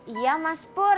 iya mas pur